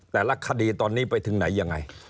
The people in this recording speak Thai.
แต่ละคดีตอนนี้ไปถึงไหนยังไง